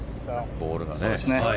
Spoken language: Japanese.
ボールがね。